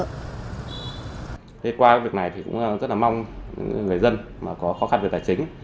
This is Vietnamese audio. thế qua việc này tôi rất mong người dân có khó khăn về tài chính